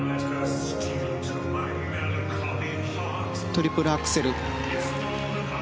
トリプルアクセル。